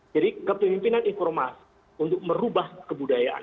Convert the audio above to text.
jadi kepemimpinan informasi untuk merubah kebudayaan